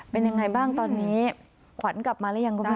เป็นยังไงบ้างตอนนี้ขวัญกลับมาแล้วยังครับพี่โน้ท